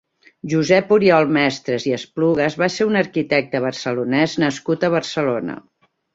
Josep Oriol Mestres i Esplugas va ser un arquitecte barcelonès nascut a Barcelona.